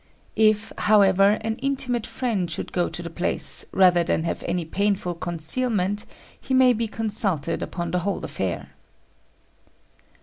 If, however, an intimate friend should go to the place, rather than have any painful concealment, he may be consulted upon the whole affair.